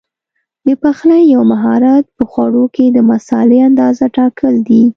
د پخلي یو مهارت په خوړو کې د مسالې اندازه ټاکل دي.